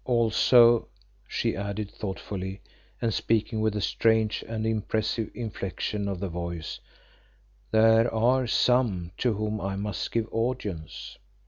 Also," she added thoughtfully, and speaking with a strange and impressive inflexion of the voice, "there are some to whom I must give audience."